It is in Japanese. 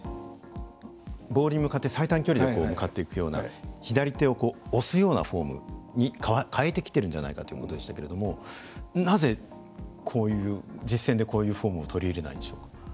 ボールに向かって最短距離で向かっていくような左手を押すようなフォームに変えてきてるんじゃないかということでしたけれどもなぜ実戦でこういうフォームを取り入れないんでしょうか？